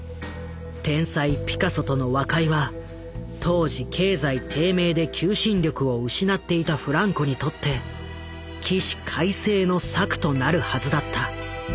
天才ピカソとの和解は当時経済低迷で求心力を失っていたフランコにとって起死回生の策となるはずだった。